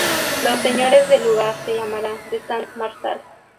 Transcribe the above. Los señores del lugar se llamarán "de Sant Marsal".